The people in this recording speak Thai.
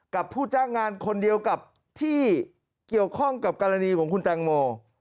ผู้จ้างงานคนเดียวกับที่เกี่ยวข้องกับกรณีของคุณแตงโม